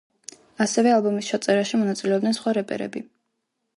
ასევე ალბომის ჩაწერაში მონაწილეობდნენ სხვა რეპერები.